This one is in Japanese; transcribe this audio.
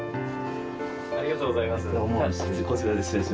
ありがとうございます。